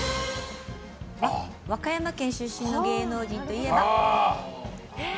和歌山県出身の芸能人といえば。